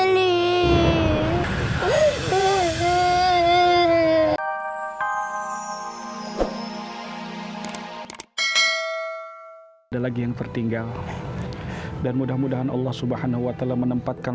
lagi yang tertinggal dan mudah mudahan allah subhanahuwata'ala menempatkan